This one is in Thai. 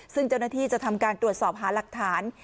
ซึ่งเจ้าหน้าที่จะทำการตรวจสอบหาหลักฐาน